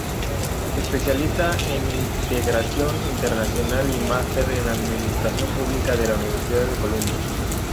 Especialista en integración internacional y master en Administración Pública de la Universidad de Columbia.